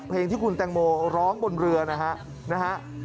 เพลงที่คุณแตงโมร้องบนเรือนะฮะ